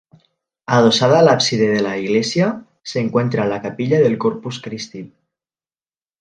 Adosada al ábside de la iglesia, se encuentra la capilla del Corpus Christi.